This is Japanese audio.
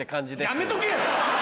やめとけよ！